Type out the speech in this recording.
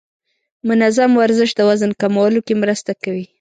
منظم ورزش د وزن کمولو کې مرسته کوي.